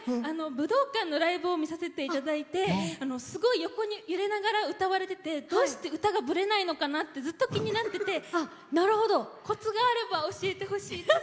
武道館のライブを見させていただいてすごい横に揺れながら歌っていてどうして歌がぶれないのかなってずっと気になっててコツがあれば教えてほしい。